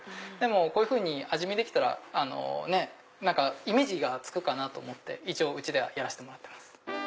こういうふうに味見できたらイメージがつくかなと思って一応うちではやらせてもらってます。